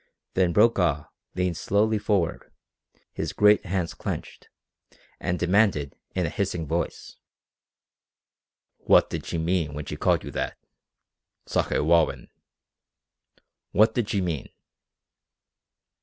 Then Brokaw leaned slowly forward, his great hands clenched, and demanded in a hissing voice: "What did she mean when she called you that Sakewawin? What did she mean?"